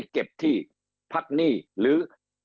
เก็บที่พักหนี้หรือ